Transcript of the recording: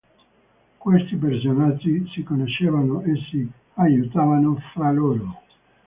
Questi personaggi si conoscevano e si aiutavano fra loro.